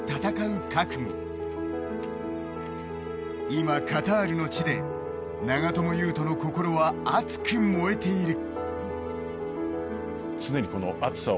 今、カタールの地で長友佑都の心は熱く燃えている。